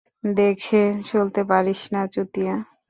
দেখে চলতে পারিস না, চুতিয়া!